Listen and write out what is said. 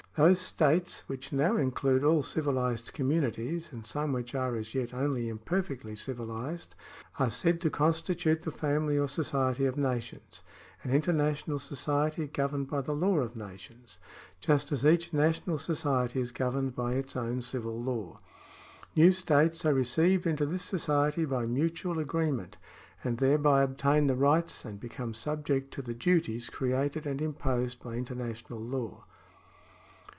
Those states (which now include all civilised communities and some which are as yet only imperfectly civilised) are said to con stitute the family or society of nations — an international society governed by the law of nations, just as each national society is governed by its own civil law. New states are re ceived into this society by mutual agreement, and thereby obtain the rights and become subject to the duties created and imposed by international law.